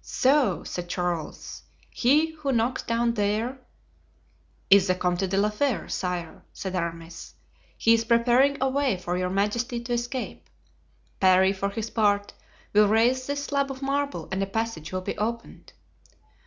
"So," said Charles, "he who knocks down there——" "Is the Comte de la Fere, sire," said Aramis. "He is preparing a way for your majesty to escape. Parry, for his part, will raise this slab of marble and a passage will be opened."